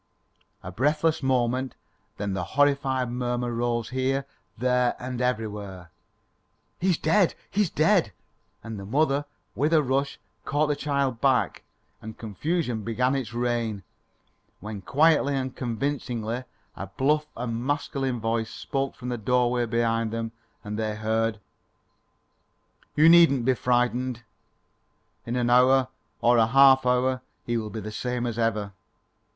A breathless moment; then the horrified murmur rose here, there and everywhere: "He's dead! He's dead!" and the mother, with a rush, caught the child back, and confusion began its reign, when quietly and convincingly a bluff and masculine voice spoke from the doorway behind them and they heard: "You needn't be frightened. In an hour or a half hour he will be the same as ever.